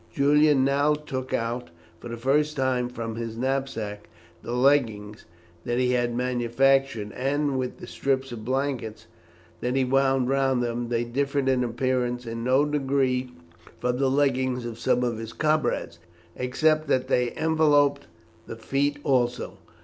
Julian now took out for the first time from his knapsack the leggings that he had manufactured, and, with the strips of blanket that he wound round them, they differed in appearance in no degree from the leggings of some of his comrades, except that they enveloped the feet also.